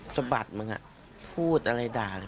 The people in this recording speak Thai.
สะบัดมึงพูดอะไรด่า